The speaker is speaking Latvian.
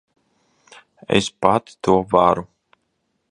Es pati to varu.